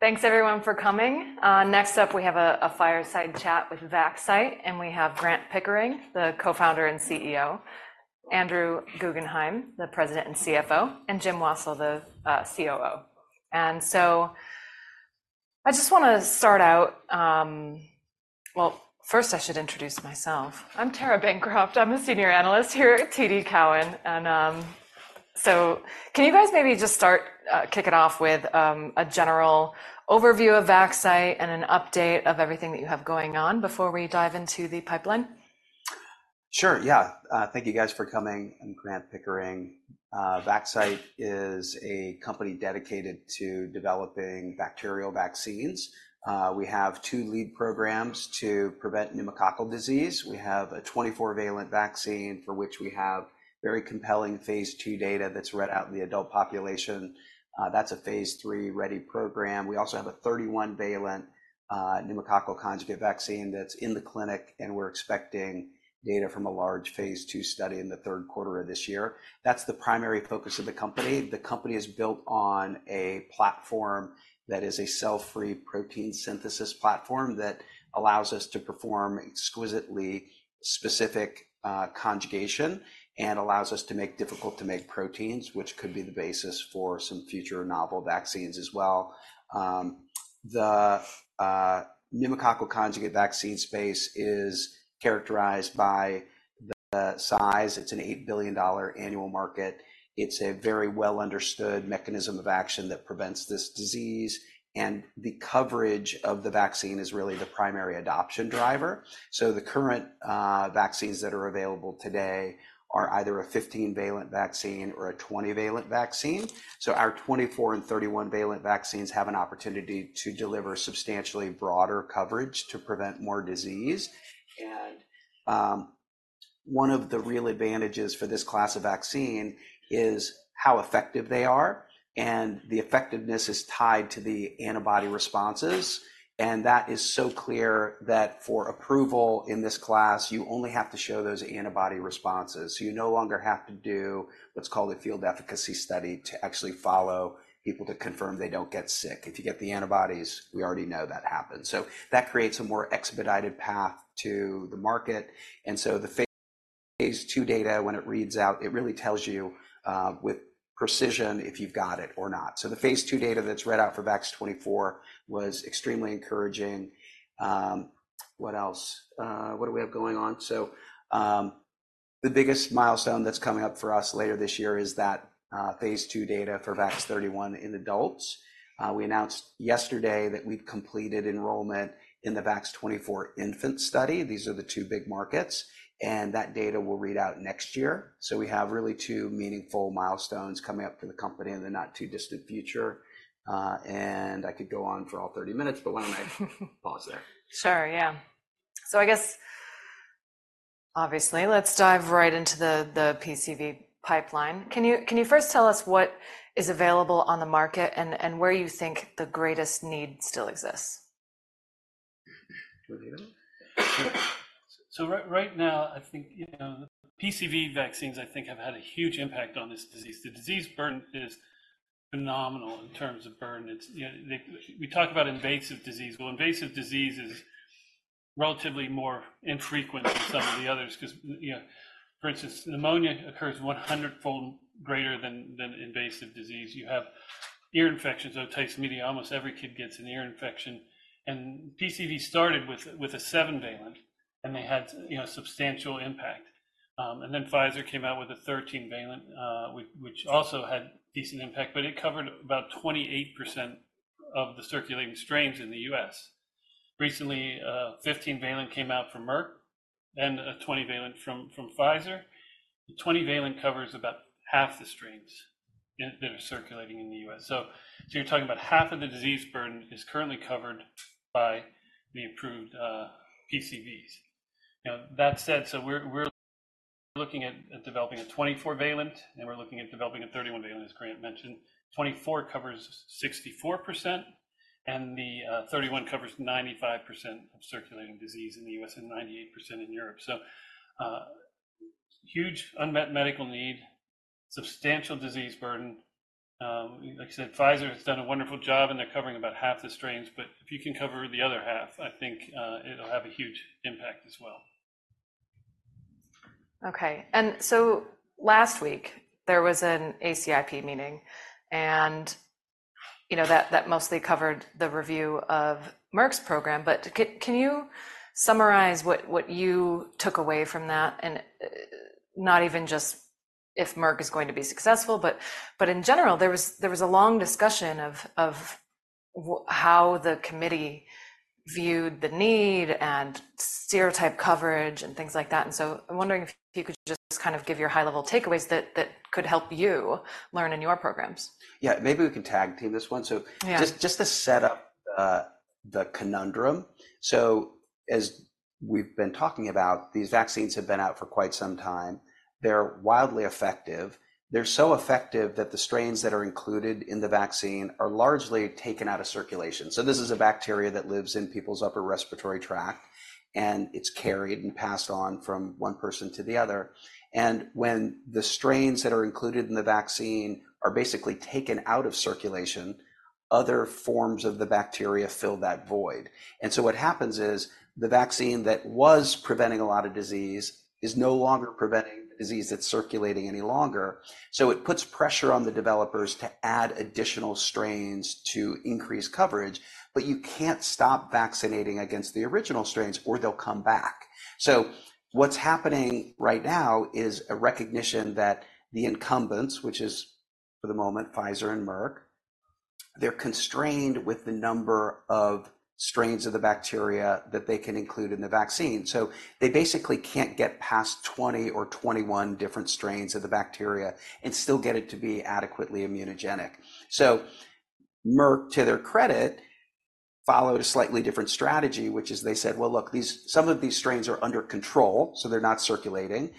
Thanks everyone for coming. Next up, we have a fireside chat with Vaxcyte, and we have Grant Pickering, the Co-founder and CEO, Andrew Guggenhime, the President and CFO, and Jim Wassil, the COO. So I just wanna start out. Well, first, I should introduce myself. I'm Tara Bancroft. I'm a senior analyst here at TD Cowen, and so can you guys maybe just start, kick it off with a general overview of Vaxcyte and an update of everything that you have going on before we dive into the pipeline? Sure, yeah. Thank you guys for coming. I'm Grant Pickering. Vaxcyte is a company dedicated to developing bacterial vaccines. We have two lead programs to prevent pneumococcal disease. We have a 24-valent vaccine, for which we have very compelling phase II data that's read out in the adult population. That's a phase III ready program. We also have a 31-valent pneumococcal conjugate vaccine that's in the clinic, and we're expecting data from a large phase II study in the third quarter of this year. That's the primary focus of the company. The company is built on a platform that is a cell-free protein synthesis platform that allows us to perform exquisitely specific conjugation, and allows us to make difficult-to-make proteins, which could be the basis for some future novel vaccines as well. The pneumococcal conjugate vaccine space is characterized by the size. It's an $8 billion annual market. It's a very well-understood mechanism of action that prevents this disease, and the coverage of the vaccine is really the primary adoption driver. So the current vaccines that are available today are either a 15-valent vaccine or a 20-valent vaccine. So our 24- and 31-valent vaccines have an opportunity to deliver substantially broader coverage to prevent more disease. And one of the real advantages for this class of vaccine is how effective they are, and the effectiveness is tied to the antibody responses. And that is so clear that for approval in this class, you only have to show those antibody responses. So you no longer have to do what's called a field efficacy study to actually follow people to confirm they don't get sick. If you get the antibodies, we already know that happens. So that creates a more expedited path to the market. And so the phase II data, when it reads out, it really tells you, with precision if you've got it or not. So the phase II data that's read out for VAX-24 was extremely encouraging. What else? What do we have going on? So, the biggest milestone that's coming up for us later this year is that, phase II data for VAX-31 in adults. We announced yesterday that we've completed enrollment in the VAX-24 infant study. These are the two big markets, and that data will read out next year. So we have really two meaningful milestones coming up for the company in the not-too-distant future. I could go on for all 30 minutes, but why don't I pause there? Sure, yeah. So I guess, obviously, let's dive right into the PCV pipeline. Can you first tell us what is available on the market and where you think the greatest need still exists? Do you wanna go? So right, right now, I think, you know, PCV vaccines, I think, have had a huge impact on this disease. The disease burden is phenomenal in terms of burden. It's, you know. We talk about invasive disease. Well, invasive disease is relatively more infrequent than some of the others because, you know, for instance, pneumonia occurs 100-fold greater than invasive disease. You have ear infections. Otitis media, almost every kid gets an ear infection. And PCV started with a 7-valent, and they had, you know, substantial impact. And then Pfizer came out with a 13-valent, which also had decent impact, but it covered about 28% of the circulating strains in the U.S. Recently, 15-valent came out from Merck and a 20-valent from Pfizer. The 20-valent covers about half the strains that are circulating in the U.S. So you're talking about half of the disease burden is currently covered by the approved PCVs. You know, that said, so we're looking at developing a 24-valent, and we're looking at developing a 31-valent, as Grant mentioned. 24-valent covers 64%, and the 31-valent covers 95% of circulating disease in the U.S. and 98% in Europe. So huge unmet medical need, substantial disease burden. Like I said, Pfizer has done a wonderful job, and they're covering about half the strains, but if you can cover the other half, I think it'll have a huge impact as well. Okay, so last week there was an ACIP meeting, and, you know, that mostly covered the review of Merck's program. But can you summarize what you took away from that? And, not even just if Merck is going to be successful, but in general, there was a long discussion of how the committee viewed the need and serotype coverage and things like that. And so I'm wondering if you could just kind of give your high-level takeaways that could help you learn in your programs. Yeah. Maybe we can tag team this one. Yeah. So just, just to set up, the conundrum, so as we've been talking about, these vaccines have been out for quite some time. They're wildly effective. They're so effective that the strains that are included in the vaccine are largely taken out of circulation. So this is a bacteria that lives in people's upper respiratory tract, and it's carried and passed on from one person to the other. And when the strains that are included in the vaccine are basically taken out of circulation, other forms of the bacteria fill that void. And so what happens is, the vaccine that was preventing a lot of disease is no longer preventing the disease that's circulating any longer. So it puts pressure on the developers to add additional strains to increase coverage, but you can't stop vaccinating against the original strains, or they'll come back. So what's happening right now is a recognition that the incumbents, which is, for the moment, Pfizer and Merck, they're constrained with the number of strains of the bacteria that they can include in the vaccine. So they basically can't get past 20 or 21 different strains of the bacteria and still get it to be adequately immunogenic. So Merck, to their credit, followed a slightly different strategy, which is they said: "Well, look, these-- some of these strains are under control, so they're not circulating,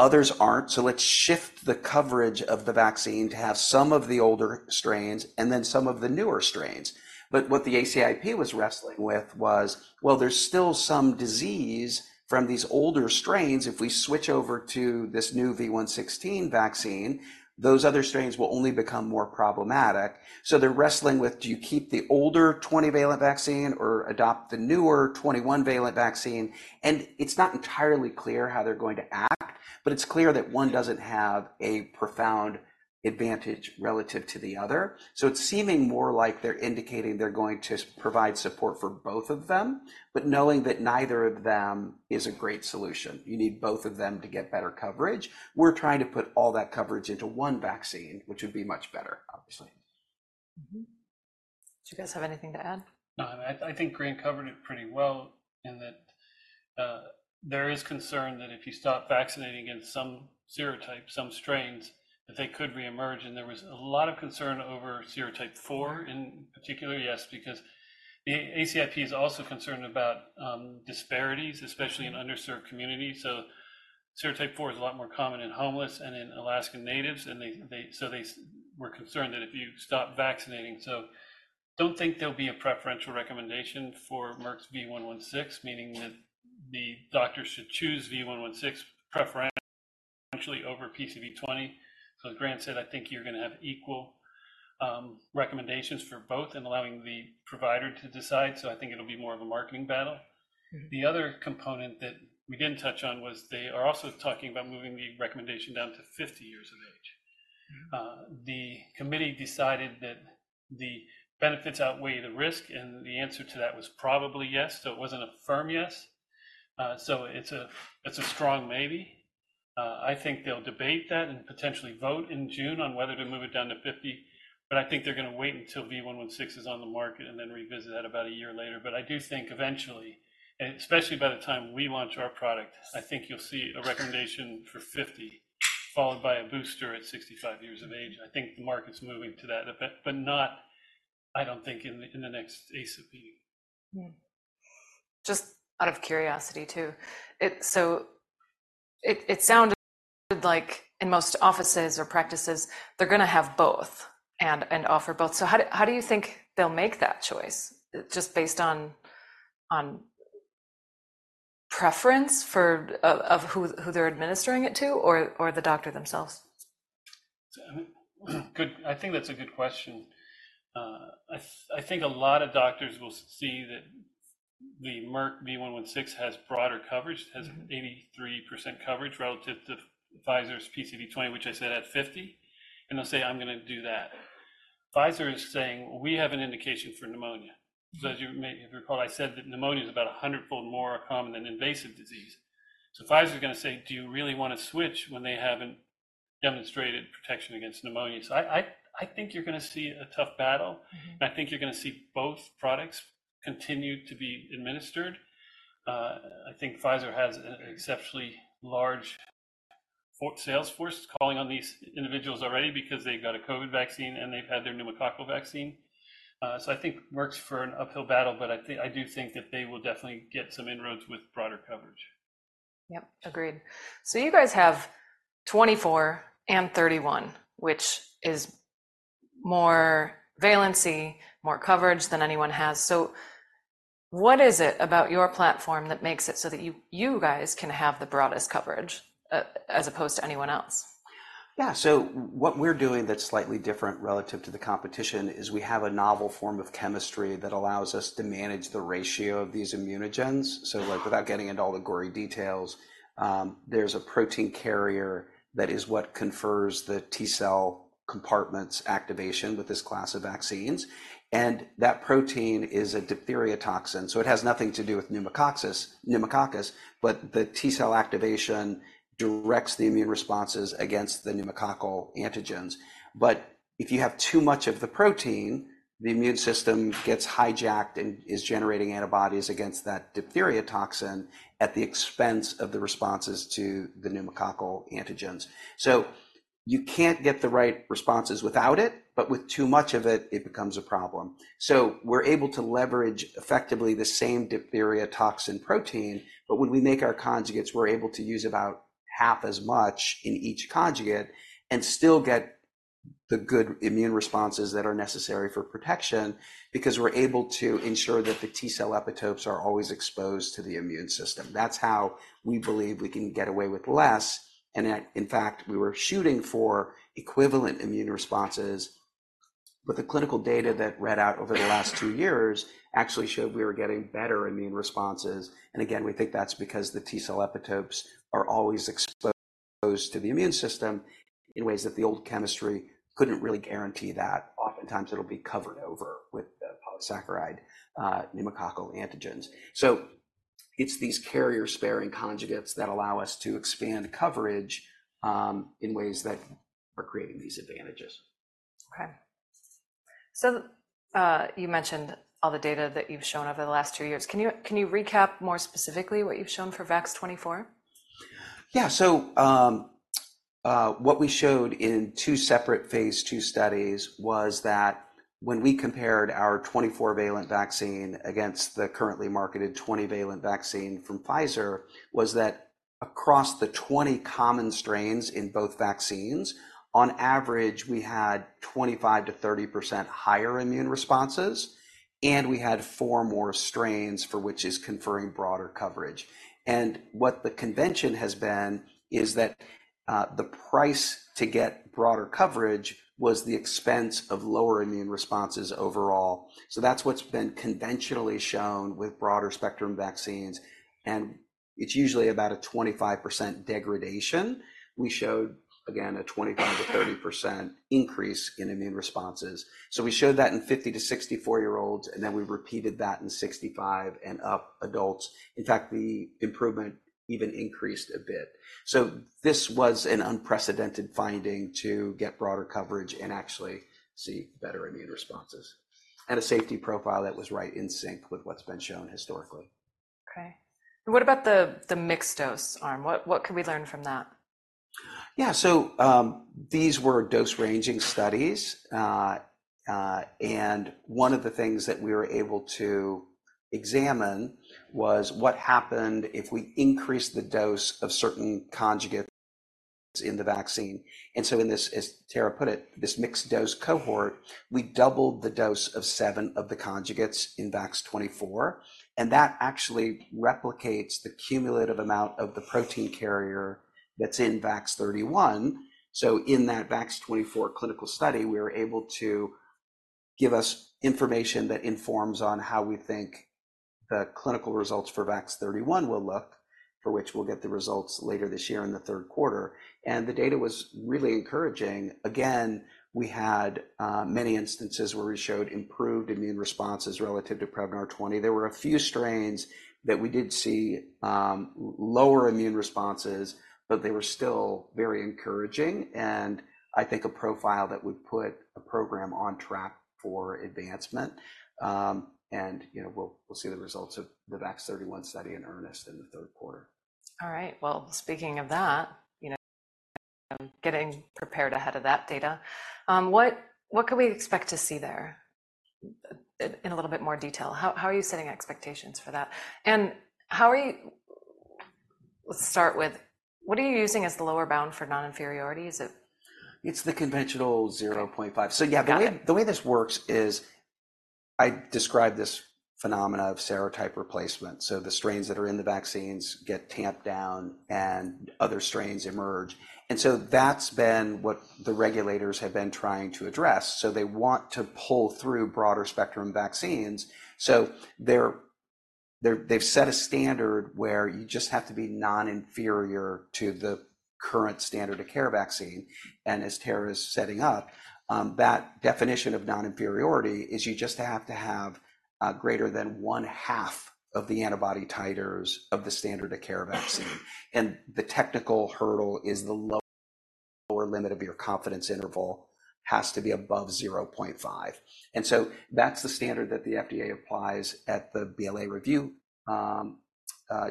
others aren't, so let's shift the coverage of the vaccine to have some of the older strains and then some of the newer strains." But what the ACIP was wrestling with was, well, there's still some disease from these older strains. If we switch over to this new V116 vaccine, those other strains will only become more problematic. So they're wrestling with: Do you keep the older 20-valent vaccine or adopt the newer 21-valent vaccine? And it's not entirely clear how they're going to act, but it's clear that one doesn't have a profound advantage relative to the other. So it's seeming more like they're indicating they're going to provide support for both of them, but knowing that neither of them is a great solution, you need both of them to get better coverage. We're trying to put all that coverage into one vaccine, which would be much better, obviously. Do you guys have anything to add? No, I think Grant covered it pretty well in that, there is concern that if you stop vaccinating against some serotypes, some strains, that they could reemerge, and there was a lot of concern over serotype 4 in particular. Yes, because the ACIP is also concerned about disparities, especially in underserved communities. So serotype 4 is a lot more common in homeless and in Alaskan Natives, and they were concerned that if you stop vaccinating... So, I don't think there'll be a preferential recommendation for Merck's V116, meaning that the doctor should choose V116 preferentially over PCV20. So as Grant said, I think you're going to have equal recommendations for both and allowing the provider to decide. So I think it'll be more of a marketing battle. The other component that we didn't touch on was they are also talking about moving the recommendation down to 50 years of age. The committee decided that the benefits outweigh the risk, and the answer to that was probably yes. So it wasn't a firm yes. So it's a, it's a strong maybe. I think they'll debate that and potentially vote in June on whether to move it down to 50, but I think they're going to wait until V116 is on the market and then revisit that about a year later. But I do think eventually, and especially by the time we launch our product, I think you'll see a recommendation for 50, followed by a booster at 65 years of age. I think the market's moving to that, but, but not, I don't think, in, in the next ACIP. Just out of curiosity, too, so it sounded like in most offices or practices, they're going to have both and offer both. So how do you think they'll make that choice? Just based on preference for who they're administering it to, or the doctor themselves? Good. I think that's a good question. I think a lot of doctors will see that the Merck V116 has broader coverage- has 83% coverage relative to Pfizer's PCV20, which I said had 50, and they'll say, "I'm going to do that." Pfizer is saying, "We have an indication for pneumonia," because as you may recall, I said that pneumonia is about 100-fold more common than invasive disease. So Pfizer is going to say: Do you really want to switch when they haven't demonstrated protection against pneumonia? So I think you're going to see a tough battle. I think you're going to see both products continue to be administered. I think Pfizer has an exceptionally large sales force calling on these individuals already because they've got a COVID vaccine, and they've had their pneumococcal vaccine. So I think Merck's for an uphill battle, but I think, I do think that they will definitely get some inroads with broader coverage. Yep. Agreed. So you guys have 24 and 31, which is more valency, more coverage than anyone has. So what is it about your platform that makes it so that you, you guys can have the broadest coverage, as opposed to anyone else? Yeah. So what we're doing that's slightly different relative to the competition is we have a novel form of chemistry that allows us to manage the ratio of these immunogens. So, like, without getting into all the gory details, there's a protein carrier that is what confers the T-cell compartment's activation with this class of vaccines, and that protein is a diphtheria toxin. So it has nothing to do with pneumococcus, but the T-cell activation directs the immune responses against the pneumococcal antigens. But if you have too much of the protein, the immune system gets hijacked and is generating antibodies against that diphtheria toxin at the expense of the responses to the pneumococcal antigens. So you can't get the right responses without it, but with too much of it, it becomes a problem. So we're able to leverage effectively the same diphtheria toxin protein, but when we make our conjugates, we're able to use about half as much in each conjugate and still get the good immune responses that are necessary for protection, because we're able to ensure that the T-cell epitopes are always exposed to the immune system. That's how we believe we can get away with less, and that, in fact, we were shooting for equivalent immune responses. But the clinical data that read out over the last two years actually showed we were getting better immune responses, and again, we think that's because the T-cell epitopes are always exposed to the immune system in ways that the old chemistry couldn't really guarantee that. Oftentimes, it'll be covered over with the polysaccharide pneumococcal antigens. It's these carrier-sparing conjugates that allow us to expand coverage, in ways that are creating these advantages. Okay. So, you mentioned all the data that you've shown over the last two years. Can you, can you recap more specifically what you've shown for VAX-24? Yeah. So, what we showed in two separate phase II studies was that, when we compared our 24-valent vaccine against the currently marketed 20-valent vaccine from Pfizer, across the 20 common strains in both vaccines, on average, we had 25%-30% higher immune responses, and we had four more strains for which is conferring broader coverage. And what the convention has been is that, the price to get broader coverage was the expense of lower immune responses overall. So that's what's been conventionally shown with broader spectrum vaccines, and it's usually about a 25% degradation. We showed, again, a 25%-30% increase in immune responses. So we showed that in 50 to 64 year-olds, and then we repeated that in 65 and up adults. In fact, the improvement even increased a bit. This was an unprecedented finding to get broader coverage and actually see better immune responses, and a safety profile that was right in sync with what's been shown historically. Okay. And what about the mixed dose arm? What could we learn from that? Yeah. So, these were dose-ranging studies, and one of the things that we were able to examine was what happened if we increased the dose of certain conjugates in the vaccine. And so in this, as Tara put it, this mixed dose cohort, we doubled the dose of seven of the conjugates in VAX-24, and that actually replicates the cumulative amount of the protein carrier that's in VAX-31. So in that VAX-24 clinical study, we were able to give us information that informs on how we think the clinical results for VAX-31 will look, for which we'll get the results later this year in the third quarter. And the data was really encouraging. Again, we had many instances where we showed improved immune responses relative to Prevnar 20. There were a few strains that we did see lower immune responses, but they were still very encouraging, and I think a profile that would put a program on track for advancement. You know, we'll see the results of the VAX-31 study in earnest in the third quarter. All right. Well, speaking of that, you know, getting prepared ahead of that data, what could we expect to see there in a little bit more detail? How are you setting expectations for that, and how are you... Let's start with, what are you using as the lower bound for non-inferiority? Is it- It's the conventional 0.5. Got it. So yeah, the way this works is I describe this phenomenon of serotype replacement. So the strains that are in the vaccines get tamped down, and other strains emerge. And so that's been what the regulators have been trying to address. So they want to pull through broader spectrum vaccines. So they're they've set a standard where you just have to be non-inferior to the current standard of care vaccine. And as Tara is setting up, that definition of non-inferiority is you just have to have greater than one half of the antibody titers of the standard of care vaccine. And the technical hurdle is the lower limit of your confidence interval has to be above 0.5. That's the standard that the FDA applies at the BLA review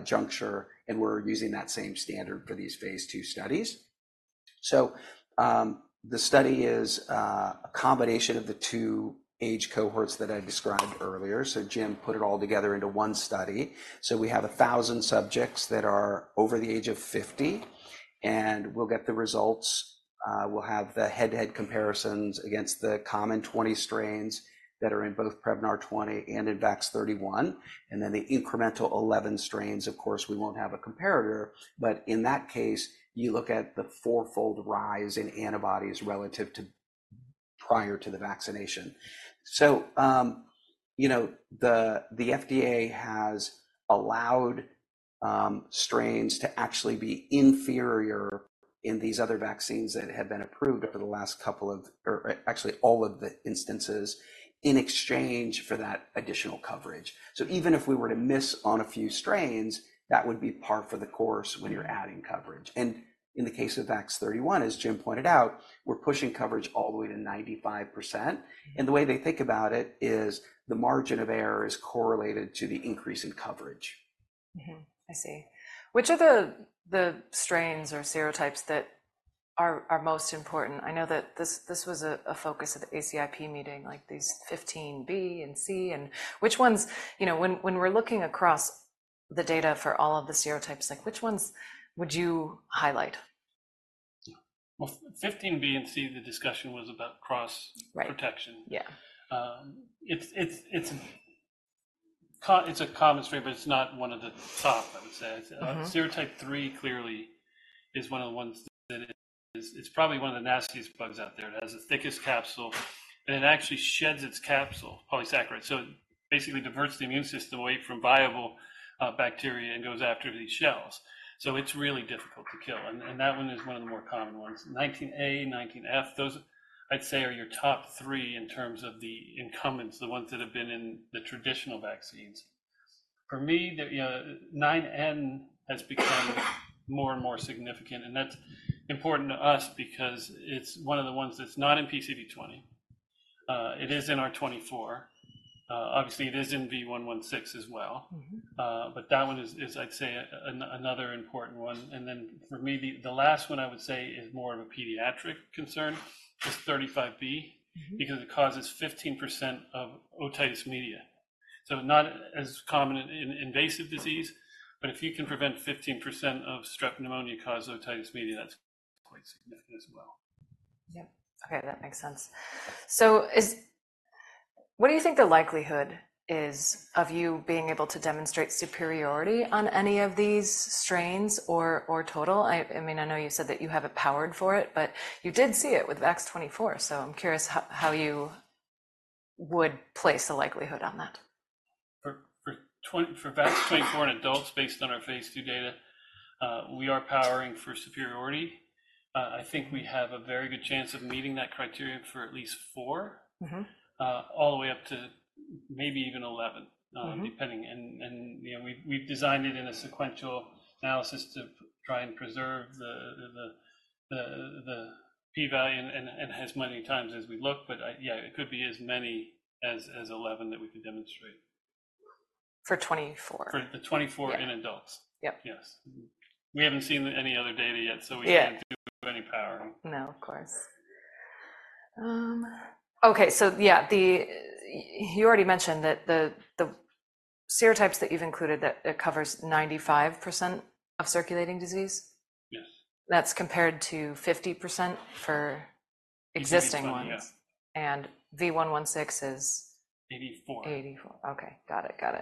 juncture, and we're using that same standard for these phase II studies. So, the study is a combination of the two age cohorts that I described earlier. So Jim put it all together into one study. So we have 1,000 subjects that are over the age of 50, and we'll get the results. We'll have the head-to-head comparisons against the common 20 strains that are in both Prevnar 20 and VAX-31, and then the incremental 11 strains, of course, we won't have a comparator, but in that case, you look at the fourfold rise in antibodies relative to prior to the vaccination. So, you know, the FDA has allowed strains to actually be inferior in these other vaccines that have been approved over the last couple of or actually all of the instances, in exchange for that additional coverage. So even if we were to miss on a few strains, that would be par for the course when you're adding coverage. And in the case of VAX-31, as Jim pointed out, we're pushing coverage all the way to 95%, and the way they think about it is the margin of error is correlated to the increase in coverage. I see. Which are the strains or serotypes that are most important? I know that this was a focus of the ACIP meeting, like these 15B and 15C, and which ones—you know, when we're looking across the data for all of the serotypes, like which ones would you highlight?... Well, 15B and 15C, the discussion was about cross- Right - protection. Yeah. It's a common strain, but it's not one of the top, I would say. Serotype 3 clearly is one of the ones that it's probably one of the nastiest bugs out there. It has the thickest capsule, and it actually sheds its capsule polysaccharide. So it basically diverts the immune system away from viable bacteria and goes after these shells. So it's really difficult to kill, and that one is one of the more common ones. 19A, 19F, those, I'd say, are your top three in terms of the incumbents, the ones that have been in the traditional vaccines. For me, you know, 9N has become more and more significant, and that's important to us because it's one of the ones that's not in PCV20. It is in our 24. Obviously, it is in V116 as well. But that one is, I'd say, another important one. And then for me, the last one I would say is more of a pediatric concern, is 35B-... because it causes 15% of otitis media. So not as common in invasive disease, but if you can prevent 15% of strep pneumonia-caused otitis media, that's quite significant as well. Yeah. Okay, that makes sense. So, what do you think the likelihood is of you being able to demonstrate superiority on any of these strains or total? I mean, I know you said that you have it powered for it, but you did see it with VAX-24, so I'm curious how you would place a likelihood on that. For VAX-24 in adults, based on our phase II data, we are powering for superiority. I think we have a very good chance of meeting that criterion for at least four-... all the way up to maybe even eleven-... depending. And you know, we've designed it in a sequential analysis to try and preserve the p-value and as many times as we look, but I... Yeah, it could be as many as 11 that we could demonstrate. For 24? For the 24 Yeah... in adults. Yep. Yes.. We haven't seen any other data yet, so we- Yeah... didn't do any powering. No, of course. Okay, so yeah, the, you already mentioned that the serotypes that you've included, that it covers 95% of circulating disease? Yes. That's compared to 50% for existing ones? Yes. V116 is? 84. 84. Okay, got it. Got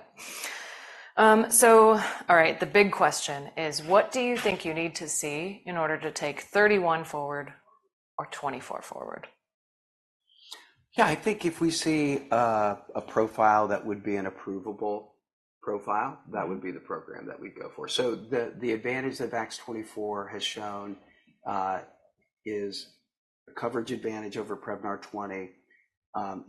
it. So, all right, the big question is: What do you think you need to see in order to take 31 forward or 24 forward? Yeah, I think if we see a profile that would be an approvable profile, that would be the program that we'd go for. So the advantage that VAX-24 has shown is coverage advantage over Prevnar 20.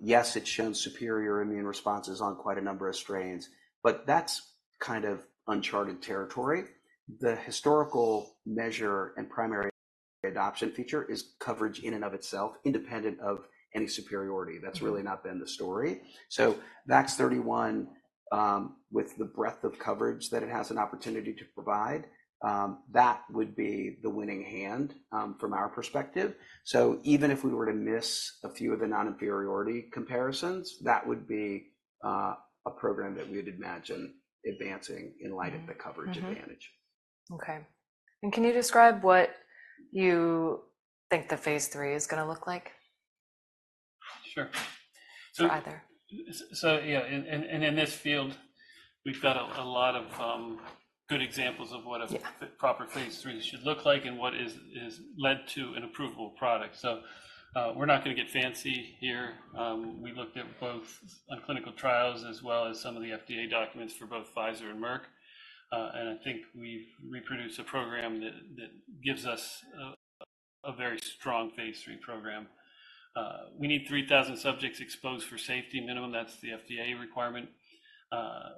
Yes, it's shown superior immune responses on quite a number of strains, but that's kind of uncharted territory. The historical measure and primary adoption feature is coverage in and of itself, independent of any superiority. That's really not been the story. So VAX-31, with the breadth of coverage that it has an opportunity to provide, that would be the winning hand, from our perspective. So even if we were to miss a few of the non-inferiority comparisons, that would be, a program that we'd imagine advancing in light of-... the coverage advantage. Okay. Can you describe what you think the phase III is going to look like? Sure. So- Either. So, yeah, in this field, we've got a lot of good examples of what a- Yeah... proper phase III should look like and what's led to an approvable product. So, we're not going to get fancy here. We looked at both on clinical trials as well as some of the FDA documents for both Pfizer and Merck, and I think we've reproduced a program that gives us a very strong phase III program. We need 3,000 subjects exposed for safety minimum. That's the FDA requirement.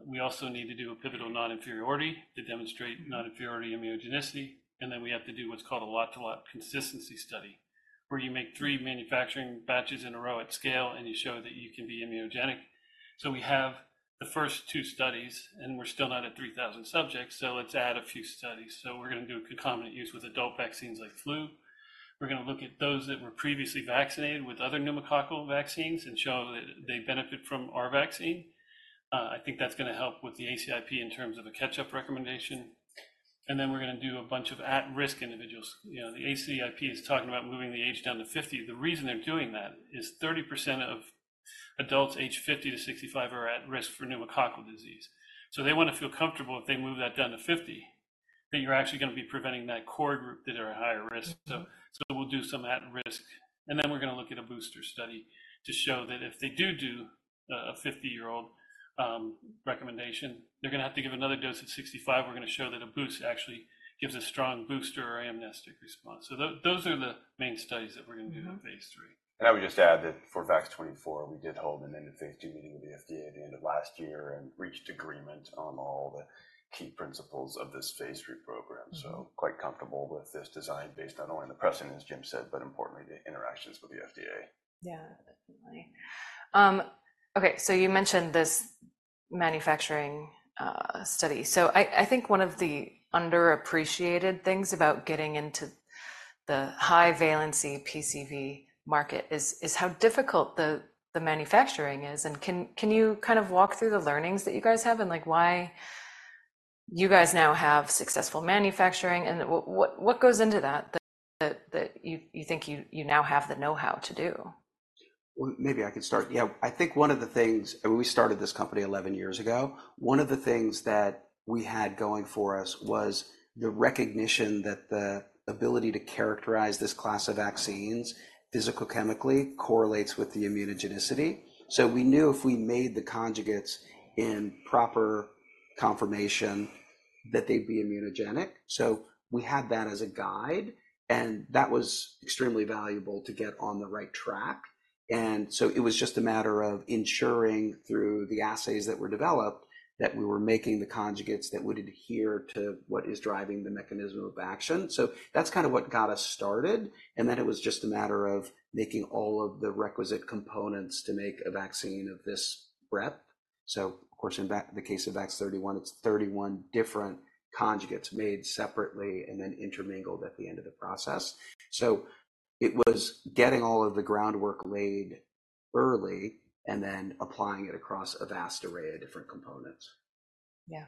We also need to do a pivotal non-inferiority to demonstrate non-inferiority immunogenicity, and then we have to do what's called a lot to lot consistency study, where you make three manufacturing batches in a row at scale, and you show that you can be immunogenic. So we have the first two studies, and we're still not at 3,000 subjects, so let's add a few studies. So we're going to do concomitant use with adult vaccines like flu. We're going to look at those that were previously vaccinated with other pneumococcal vaccines and show that they benefit from our vaccine. I think that's going to help with the ACIP in terms of a catch-up recommendation, and then we're going to do a bunch of at-risk individuals. You know, the ACIP is talking about moving the age down to 50. The reason they're doing that is 30% of adults aged 50-65 are at risk for pneumococcal disease. So they want to feel comfortable if they move that down to 50, that you're actually going to be preventing that core group that are at higher risk. So we'll do some at risk, and then we're going to look at a booster study to show that if they do a 50-year-old recommendation, they're going to have to give another dose at 65. We're going to show that a boost actually gives a strong booster or amnestic response. So those are the main studies that we're going to do.... in phase III. I would just add that for VAX-24, we did hold an end-of-phase II meeting with the FDA at the end of last year and reached agreement on all the key principles of this phase III program. Quite comfortable with this design, based not only on the precedent, as Jim said, but importantly, the interactions with the FDA. Yeah, definitely. Okay, so you mentioned this manufacturing study. So I think one of the underappreciated things about getting into the high-valency PCV market is how difficult the manufacturing is. And can you kind of walk through the learnings that you guys have, and like why you guys now have successful manufacturing, and what goes into that that you think you now have the know-how to do? Well, maybe I could start. Yeah, I think one of the things... When we started this company 11 years ago, one of the things that we had going for us was the recognition that the ability to characterize this class of vaccines physicochemically correlates with the immunogenicity. So we knew if we made the conjugates in proper conformation, that they'd be immunogenic. So we had that as a guide, and that was extremely valuable to get on the right track. And so it was just a matter of ensuring, through the assays that were developed, that we were making the conjugates that would adhere to what is driving the mechanism of action. So that's kind of what got us started, and then it was just a matter of making all of the requisite components to make a vaccine of this rep. So of course, in the case of VAX-31, it's 31 different conjugates made separately and then intermingled at the end of the process. So it was getting all of the groundwork laid early and then applying it across a vast array of different components. Yeah.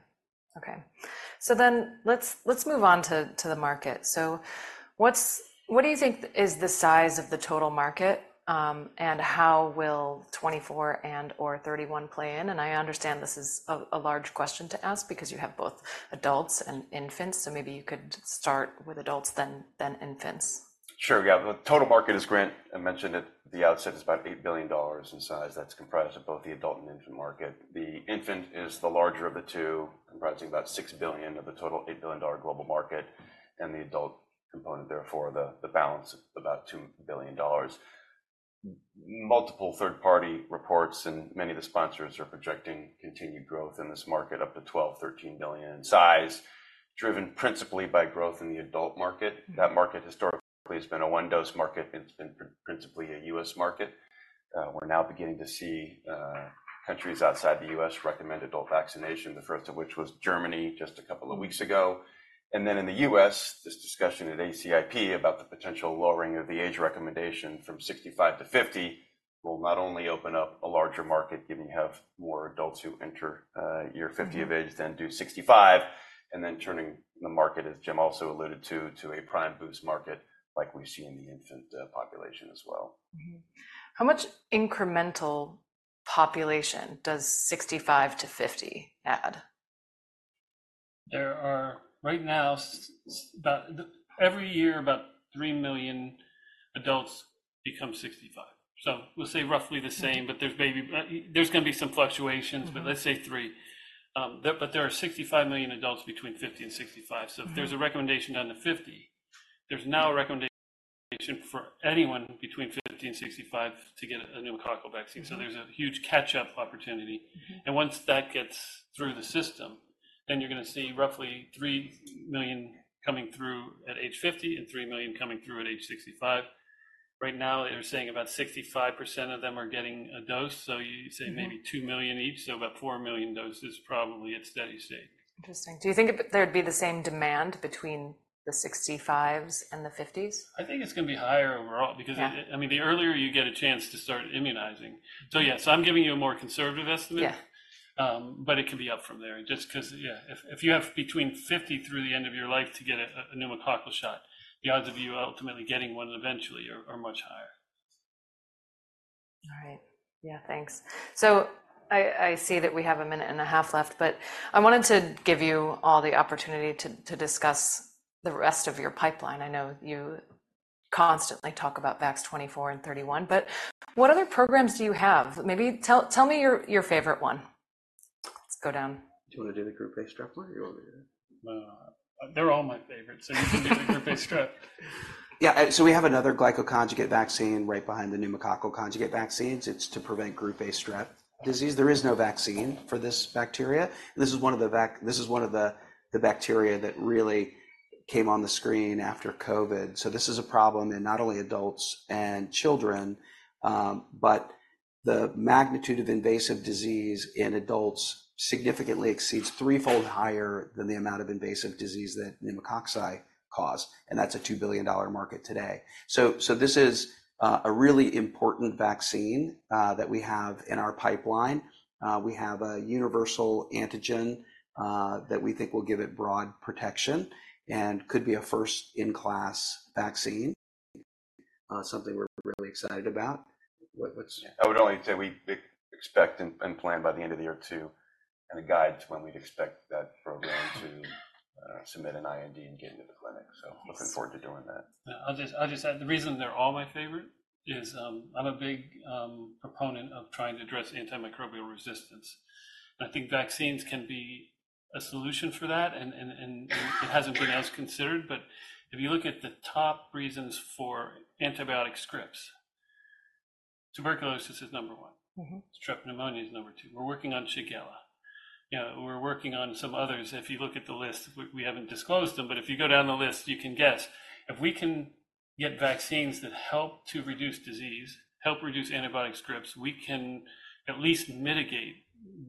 Okay. So then, let's move on to the market. So what do you think is the size of the total market, and how will 24 and/or 31 play in? And I understand this is a large question to ask because you have both adults and infants, so maybe you could start with adults then infants. Sure, yeah. The total market, as Grant mentioned at the outset, is about $8 billion in size. That's comprised of both the adult and infant market. The infant is the larger of the two, comprising about $6 billion of the total $8 billion global market, and the adult component, therefore, the balance of about $2 billion. Multiple third-party reports and many of the sponsors are projecting continued growth in this market, up to $12 billion-$13 billion in size, driven principally by growth in the adult market. That market historically has been a one-dose market, and it's been principally a U.S. market. We're now beginning to see countries outside the U.S. recommend adult vaccination, the first of which was Germany just a couple of weeks ago. And then in the U.S., this discussion at ACIP about the potential lowering of the age recommendation from 65-50 will not only open up a larger market, given you have more adults who enter year 50 of age-... than do 65, and then turning the market, as Jim also alluded to, to a prime boost market like we see in the infant population as well. How much incremental population does 65-50 add? There are, right now, about... Every year, about 3 million adults become 65. So we'll say roughly the same, but there's gonna be some fluctuations-... but let's say three. But there are 65 million adults between 50 and 65. If there's a recommendation down to 50, there's now a recommendation for anyone between 50 and 65 to get a pneumococcal vaccine. There's a huge catch-up opportunity. Once that gets through the system, then you're gonna see roughly 3 million coming through at age 50 and 3 million coming through at age 65. Right now, they're saying about 65% of them are getting a dose, so you-... say maybe 2 million each, so about 4 million doses probably at steady state. Interesting. Do you think there'd be the same demand between the 65s and the 50s? I think it's gonna be higher overall because- Yeah... I mean, the earlier you get a chance to start immunizing. So yeah, so I'm giving you a more conservative estimate. Yeah. But it can be up from there just because, yeah, if you have between 50 through the end of your life to get a pneumococcal shot, the odds of you ultimately getting one eventually are much higher. All right. Yeah, thanks. So I see that we have a minute and a half left, but I wanted to give you all the opportunity to discuss the rest of your pipeline. I know you constantly talk about VAX-24 and VAX-31, but what other programs do you have? Maybe tell me your favorite one. Let's go down. Do you wanna do the Group A Strep one, or you want me to? They're all my favorite, so you can do the Group A Strep. Yeah. So we have another glycoconjugate vaccine right behind the pneumococcal conjugate vaccines. It's to prevent Group A Strep disease. There is no vaccine for this bacteria. This is one of the bacteria that really came on the screen after COVID. So this is a problem in not only adults and children, but the magnitude of invasive disease in adults significantly exceeds threefold higher than the amount of invasive disease that pneumococci cause, and that's a $2 billion market today. So this is a really important vaccine that we have in our pipeline. We have a universal antigen that we think will give it broad protection and could be a first in-class vaccine, something we're really excited about. What, what's- I would only say we expect and plan by the end of the year two, and it guides when we'd expect that program to submit an IND and get into the clinic. Yes. So looking forward to doing that. Yeah, I'll just add, the reason they're all my favorite is, I'm a big proponent of trying to address antimicrobial resistance, and I think vaccines can be a solution for that, and it hasn't been as considered. But if you look at the top reasons for antibiotic scripts, tuberculosis is number one. Strep pneumonia is number two. We're working on Shigella. You know, we're working on some others. If you look at the list, we haven't disclosed them, but if you go down the list, you can guess. If we can get vaccines that help to reduce disease, help reduce antibiotic scripts, we can at least mitigate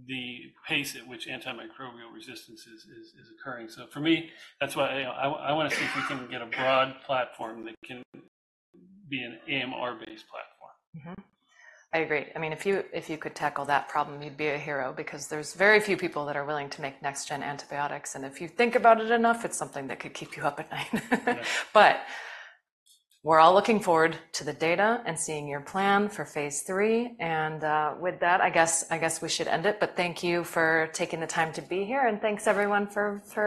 the pace at which antimicrobial resistance is occurring. So for me, that's why I wanna see if we can get a broad platform that can be an AMR-based platform. I agree. I mean, if you, if you could tackle that problem, you'd be a hero because there's very few people that are willing to make next-gen antibiotics, and if you think about it enough, it's something that could keep you up at night. Yeah. But we're all looking forward to the data and seeing your plan for phase III, and, with that, I guess, I guess we should end it. But thank you for taking the time to be here, and thanks, everyone, for, for-